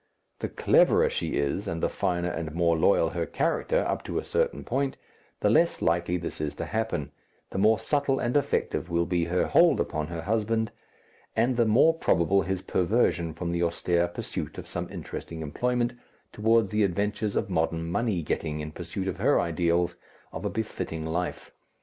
The cleverer she is, and the finer and more loyal her character up to a certain point, the less likely this is to happen, the more subtle and effective will be her hold upon her husband, and the more probable his perversion from the austere pursuit of some interesting employment, towards the adventures of modern money getting in pursuit of her ideals of a befitting life.